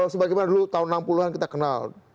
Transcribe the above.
sebagai mana dulu tahun enam puluh an kita kenal